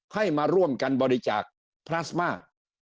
ให้มาร่วมกันบริจาคพลาสมา